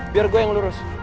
biar gue yang lurus